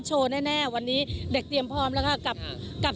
โชว์แน่วันนี้เด็กเตรียมพร้อมแล้วกับ